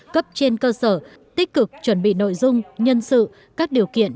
cấp trên cơ sở tích cực chuẩn bị nội dung nhân sự các điều kiện